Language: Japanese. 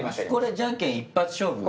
じゃんけん一発勝負で？